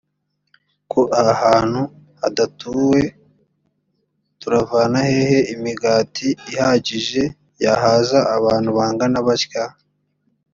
ko aha hantu hadatuwe turavana hehe imigati ihagije yahaza abantu bangana batya?